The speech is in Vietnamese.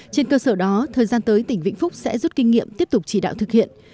trên cơ sở đó thời gian tới tỉnh vĩnh phúc sẽ rút kinh nghiệm tiếp tục chỉ đạo thực hiện